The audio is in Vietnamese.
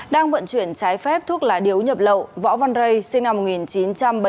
đang vận chuyển trái phép thuốc lá điếu nhập lậu võ văn rây sinh năm một nghìn chín trăm bảy mươi